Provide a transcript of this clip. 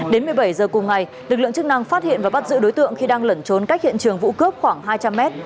đến một mươi bảy h cùng ngày lực lượng chức năng phát hiện và bắt giữ đối tượng khi đang lẩn trốn cách hiện trường vụ cướp khoảng hai trăm linh m